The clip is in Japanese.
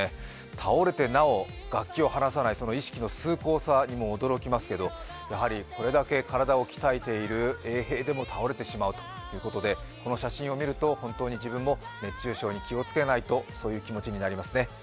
倒れてなお楽器を離さない崇高さに驚きますけれども、やはりこれだけ体を鍛えている衛兵でも倒れてしまうということで、この写真を見ると本当に自分も熱中症に気をつけないととそういう気持ちになりますね。